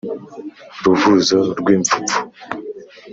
ruvuzo rw’ipfupfu